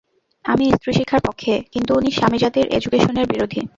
আমি স্ত্রীশিক্ষার পক্ষে, কিন্তু উনি স্বামী-জাতির এডুকেশনের বিরোধী।